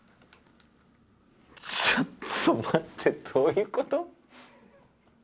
ちょっと待ってどういうこと？